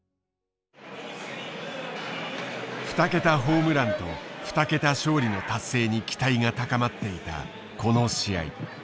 ２桁ホームランと２桁勝利の達成に期待が高まっていたこの試合。